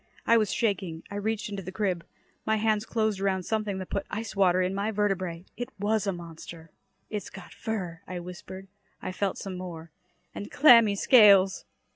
I was shaking. I reached into the crib. My hands closed around something that put ice water in my vertebrae. It was a monster. "It's got fur!" I whispered. I felt some more. "And clammy scales!"